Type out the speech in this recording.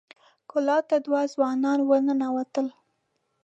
کلا ته دوه ځوانان ور ننوتل.